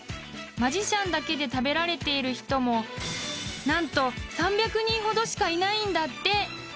［マジシャンだけで食べられている人も何と３００人ほどしかいないんだって］